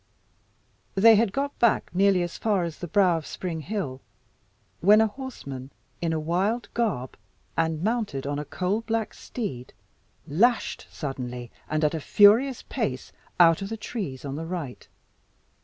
They had got back nearly as far as the brow of Spring Hill, when a horseman, in a wild garb, and mounted on a coal black steed, lashed suddenly and at a furious pace, out of the trees on the right.